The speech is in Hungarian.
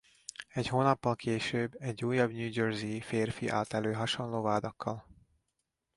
Egy hónappal később egy újabb New Jersey-i férfi állt elő hasonló vádakkal.